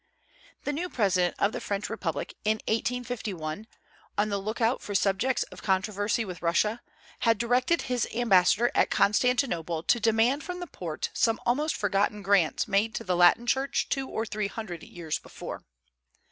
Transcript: The new President of the French republic, in 1851, on the lookout for subjects of controversy with Russia, had directed his ambassador at Constantinople to demand from the Porte some almost forgotten grants made to the Latin Church two or three hundred years before.